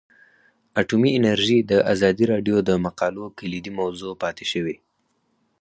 اټومي انرژي د ازادي راډیو د مقالو کلیدي موضوع پاتې شوی.